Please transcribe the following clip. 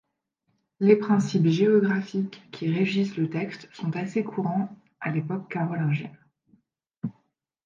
Les principes géographiques qui régissent le texte sont assez courants à l’époque carolingienne.